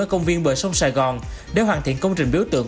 ở công viên bờ sông sài gòn để hoàn thiện công trình biểu tượng